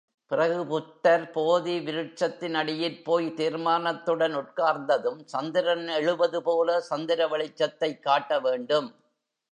பிறகு புத்தர் போதி விருட்சத்தின் அடியிற் போய் தீர்மானத்துடன் உட்கார்ந்ததும், சந்திரன் எழுவதுபோல சந்திர வெளிச்சத்தைக் காட்ட வேண்டும்.